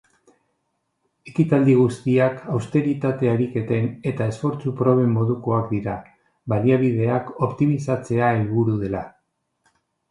Ekitaldi guztiak austeritate-ariketen eta esfortzu-proben modukoak dira, baliabideak optimizatzea helburu dela.